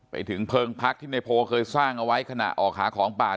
ไปถึงเพลิงพักที่ในโพเคยสร้างเอาไว้ขณะออกหาของป่า